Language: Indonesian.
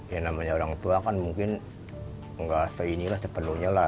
ya namanya orang tua kan mungkin nggak se inilah sepenuhnya lah